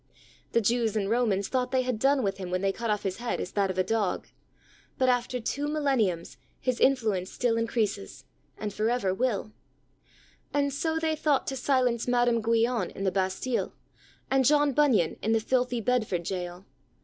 The Jews and Romans thought they had done with him when they cut off his head as that of a dog, but, after two mil SPIRITUAL LEADERSHIP. 43 lenniums his influence still increases, and forever will. And so they thought to silence Madam Guyon in the Bastille, and John Bunyon in the filthy Bedford jail.